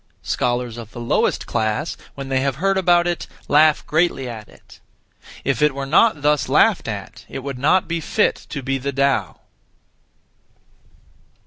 Scholars of the lowest class, when they have heard about it, laugh greatly at it. If it were not (thus) laughed at, it would not be fit to be the Tao.